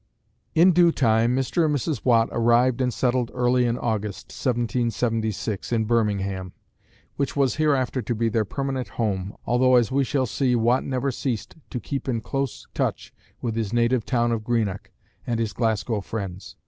In due time, Mr. and Mrs. Watt arrived and settled early in August, 1776, in Birmingham, which was hereafter to be their permanent home, although, as we shall see, Watt never ceased to keep in close touch with his native town of Greenock and his Glasgow friends.